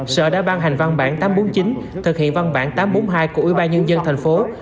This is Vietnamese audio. sở đã ban hành văn bản tám trăm bốn mươi chín thực hiện văn bản tám trăm bốn mươi hai của ybnd tp hcm